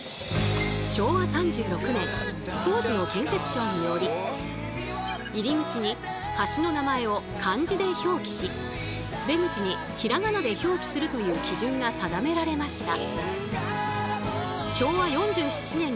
そもそも入り口に橋の名前を漢字で表記し出口にひらがなで表記するという基準が定められました。